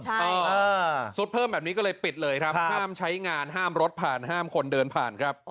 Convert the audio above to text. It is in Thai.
ใช่ซุดเพิ่มแบบนี้ก็เลยปิดเลยครับห้ามใช้งานห้ามรถผ่านห้ามคนเดินผ่านครับ